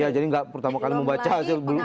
ya jadi nggak pertama kali membaca hasil dulu